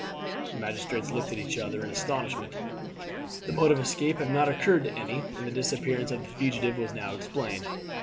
The magistrates looked at each other in astonishment; the mode of escape had not occurred to any, and the disappearance of the fugitive was now explained.